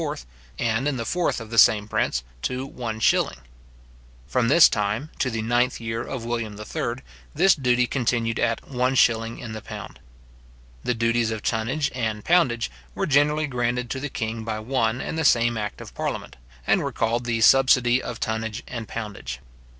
and, in the fourth of the same prince, to one shilling. From this time to the ninth year of William III., this duty continued at one shilling in the pound. The duties of tonnage and poundage were generally granted to the king by one and the same act of parliament, and were called the subsidy of tonnage and poundage.